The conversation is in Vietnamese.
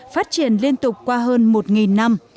phát triển liên tục qua hơn một năm